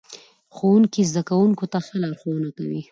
ښوونکی زده کوونکو ته ښه لارښوونه کوي